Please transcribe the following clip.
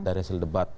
dari hasil debat